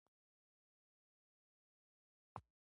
آیا حسد اور دی؟